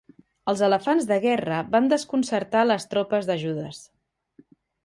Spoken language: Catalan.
Els elefants de guerra van desconcertar les tropes de Judes.